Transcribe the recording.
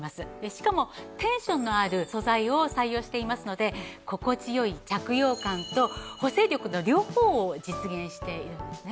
しかもテンションのある素材を採用していますので心地良い着用感と補整力の両方を実現しているんですね。